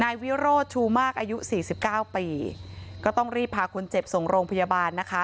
อายุ๔๙ปีก็ต้องรีบพาคนเจ็บส่งโรงพยาบาลนะคะ